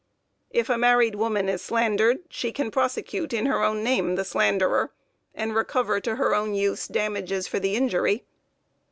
If a married woman is slandered she can prosecute in her own name the slanderer, and recover to her own use damages for the injury.